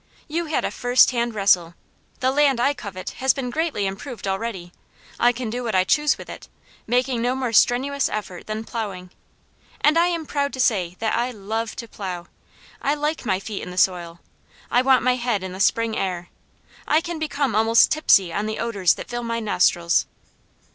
You had a first hand wrestle. The land I covet has been greatly improved already. I can do what I choose with it, making no more strenuous effort than plowing; and I am proud to say that I LOVE to plow. I like my feet in the soil. I want my head in the spring air. I can become almost tipsy on the odours that fill my nostrils.